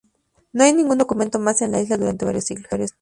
No hay ningún documento más en la isla durante varios siglos.